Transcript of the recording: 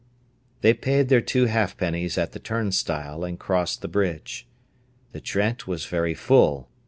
They paid their two halfpennies at the turnstile and crossed the bridge. The Trent was very full.